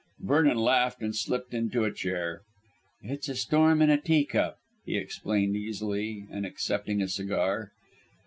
Vernon laughed and slipped into a chair. "It's a storm in a tea cup," he explained easily, and accepting a cigar.